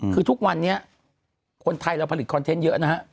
คือทุกวันนี้คนไทยเราผลิตคอนเทนต์เยอะนะฮะ